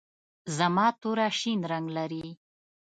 زما توره شین رنګ لري.